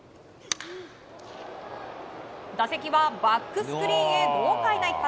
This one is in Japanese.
打席はバックスクリーンへ豪快な一発！